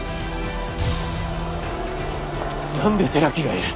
何で寺木がいる？